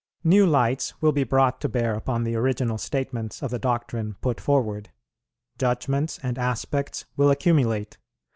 New lights will be brought to bear upon the original statements of the doctrine put forward; judgments and aspects will accumulate.